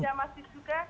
ya karena masih juga